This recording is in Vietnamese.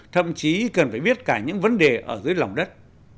thậm chí cần phải biết cả những vấn đề ở dưới lòng đất